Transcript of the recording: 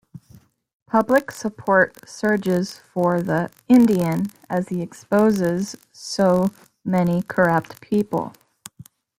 Public support surges for the "Indian" as he exposes so many corrupt people.